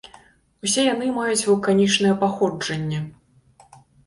Усе яны маюць вулканічнае паходжанне.